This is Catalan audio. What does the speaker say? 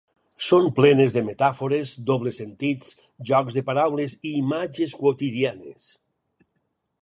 Són plenes de metàfores, dobles sentits, jocs de paraules i imatges quotidianes.